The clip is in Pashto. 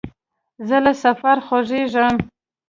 زه له سفر خوښېږم.